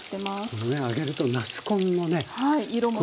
このね揚げるとなす紺のねこの色が。